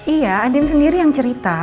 iya adin sendiri yang cerita